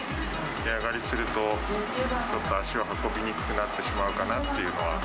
値上がりすると、ちょっと足を運びにくくなってしまうかなっていうのは。